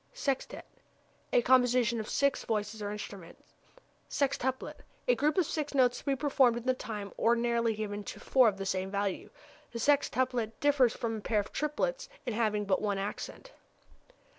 Sextet a composition for six voices or instruments. Sextuplet a group of six notes to be performed in the time ordinarily given to four of the same value. The sextuplet differs from a pair of triplets in having but one accent.